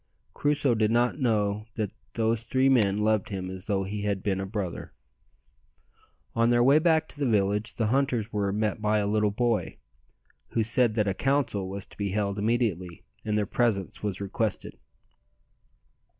Crusoe did not know that those three men loved him as though he had been a brother. On their way back to the village the hunters were met by a little boy, who said that a council was to be held immediately, and their presence was requested.